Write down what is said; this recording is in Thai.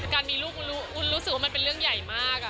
การมีลูกวุ้นรู้สึกว่ามันเป็นเรื่องใหญ่มาก